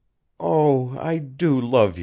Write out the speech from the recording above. Oh, I do love you!"